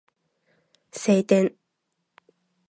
晴天